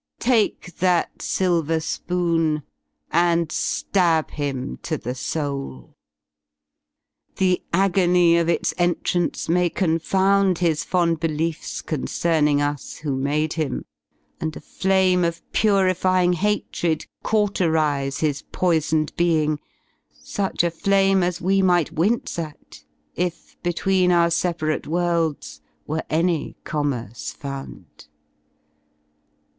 Take that silver spoon. And Slab him to the soul; the agony 87 Of its entrance may confound his fond beliefs Concerning us, who made him, and aflame Of purifying hatred cauterise His poisoned being, such aflame as zve Might wince at if, between our separate worlds Were any commerce found.